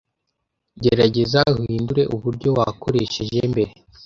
Gerageza uhindure uburyo wakoresheje mbere